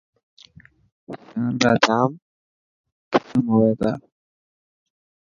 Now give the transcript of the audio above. شال را ڄام قصر هئي تا